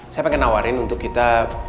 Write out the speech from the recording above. saya pengen nawarin untuk kita